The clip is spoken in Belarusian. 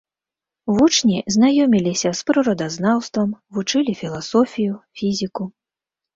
Вучні знаёміліся з прыродазнаўствам, вучылі філасофію, фізіку.